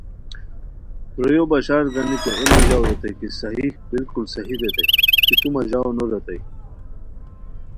ترویو بشارگانیکو اے مہ ژاو ریتائے کی صحیح بالکل صحیح ریتائے کی تو مہ ژاؤ نو ریتائے